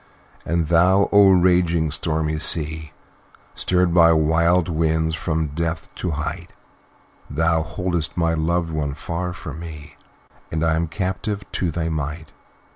"And thou, O raging, stormy Sea, Stirred by wild winds, from depth to height, Thou hold'st my loved one far from me, And I am captive to thy might.